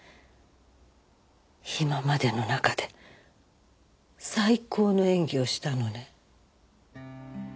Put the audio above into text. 今までの中で最高の演技をしたのね。